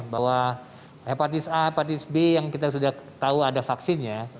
bahwa hepatitis a hepatitis b yang kita sudah tahu ada vaksinnya